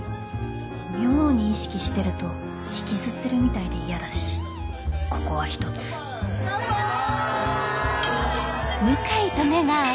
妙に意識してると引きずってるみたいで嫌だしここはひとつカンパイ！